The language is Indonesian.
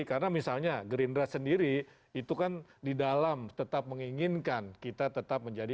karena misalnya gerindra sendiri itu kan di dalam tetap menginginkan kita tetap menjadi